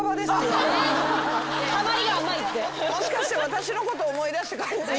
もしかして私のこと思い出して２００８年に。